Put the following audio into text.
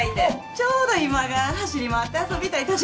ちょうど今が走り回って遊びたい年頃なんですけど。